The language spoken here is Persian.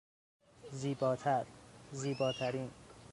زیباتر، زیباترین